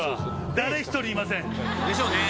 誰一人いません。でしょうね。